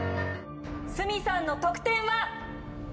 スミさんの得点は？